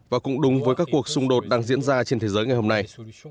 và cũng đúng với các cuộc xung đột đang diễn ra trên thế giới ngày hôm nay